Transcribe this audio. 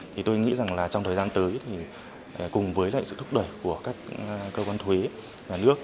thì tôi nghĩ rằng là trong thời gian tới thì cùng với lại sự thúc đẩy của các cơ quan thuế và nước